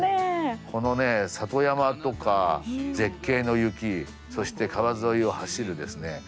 このね里山とか絶景の雪そして川沿いを走るですね